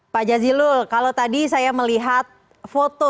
pak jazilul kalau tadi saya melihat foto